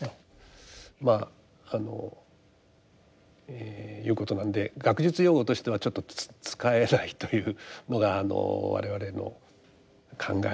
まああのいうことなんで学術用語としてはちょっと使えないというのが我々の考えですね。